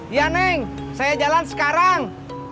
ya neng saya jalan sekarang